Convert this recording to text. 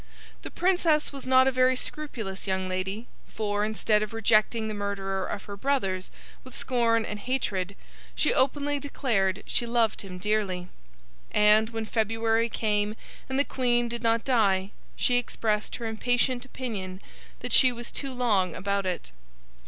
The Princess was not a very scrupulous young lady, for, instead of rejecting the murderer of her brothers with scorn and hatred, she openly declared she loved him dearly; and, when February came and the Queen did not die, she expressed her impatient opinion that she was too long about it.